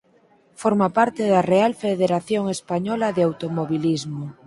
Forma parte da Real Federación Española de Automobilismo.